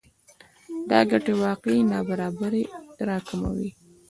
دا ګټې واقعي نابرابری راکموي